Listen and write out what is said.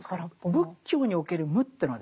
仏教における「無」というのはですね